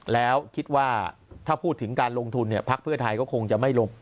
แล้วคิดว่าถ้าพูดถึงการลงทุนพักเพื่อไทยก็คงจะไม่ลง